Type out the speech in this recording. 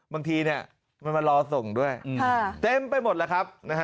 บางทีเนี่ยมันมารอส่งด้วยเต็มไปหมดแล้วครับ